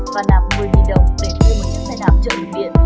và nạp một mươi đồng để thuê một chiếc xe đạp chở lực điện